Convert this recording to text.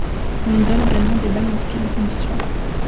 On y donne également des bals masqués le samedi soir.